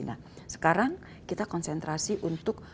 nah sekarang kita konsentrasi untuk mengevakuasi